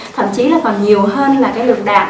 thậm chí là còn nhiều hơn là cái lượng đạm